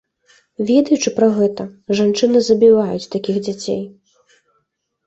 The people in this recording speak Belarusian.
Ведаючы пра гэта, жанчыны забіваюць такіх дзяцей.